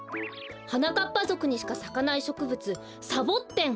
はなかっぱぞくにしかさかないしょくぶつサボッテン。